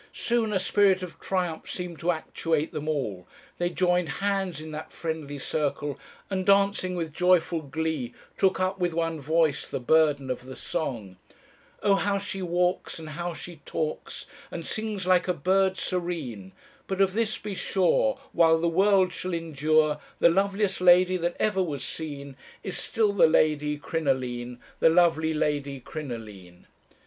Soon a spirit of triumph seemed to actuate them all; they joined hands in that friendly circle, and dancing with joyful glee, took up with one voice the burden of the song 'Oh how she walks, And how she talks, And sings like a bird serene, But of this be sure, While the world shall endure, The loveliest lady that ever was seen Is still the Lady Crinoline The lovely Lady Crinoline.'